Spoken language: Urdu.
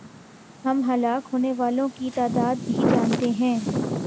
ہم ہلاک ہونے والوں کی تعداد بھی جانتے ہیں۔